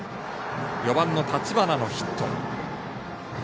４番の立花のヒット。